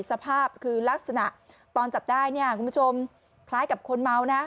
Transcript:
สภาพคือลักษณะตอนจับได้เนี่ยคุณผู้ชมคล้ายกับคนเมานะ